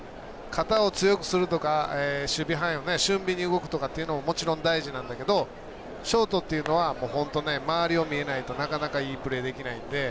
肩を強くするとか、守備範囲俊敏に動くとかももちろん大事なんだけどショートっていうのは本当に周りが見えないとなかなかいいプレーできないんで。